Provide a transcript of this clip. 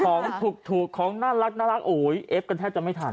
ของถูกของน่ารักโอ้ยเอฟกันแทบจะไม่ทัน